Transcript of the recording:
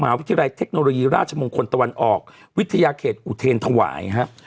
วิทยาลัยเทคโนโลยีราชมงคลตะวันออกวิทยาเขตอุเทรนธวายครับ